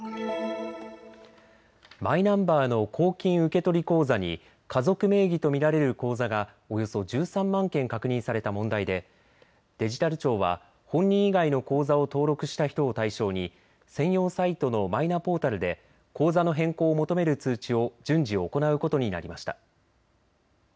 マイナンバーの公金受取口座に家族名義と見られる口座がおよそ１３万件確認された問題でデジタル庁は本人以外の口座を登録した人を対象に専用サイトのマイナポータルで口座の変更を求める通知を順次、行うことになりました。